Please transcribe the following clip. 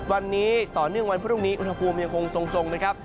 วันนี้ต่อเนื่องวันพรุ่งนี้อุณหภูมิยังคงทรงนะครับ